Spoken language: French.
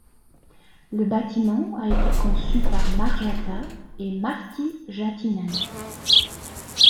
Le bâtiment a été conçu par Marjatta et Martti Jaatinen.